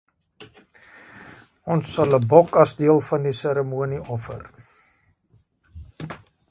Ons sal 'n bok as deel van die seremonie offer.